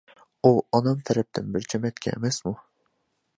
ئۇ ئانام تەرەپتىن بىر جەمەتكەن ئەمەسمۇ.